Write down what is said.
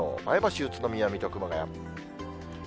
前橋、宇都宮、水戸、熊谷。